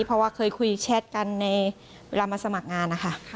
เพราะว่าเคยคุยแชทกันในเวลามาสมัครงานนะคะ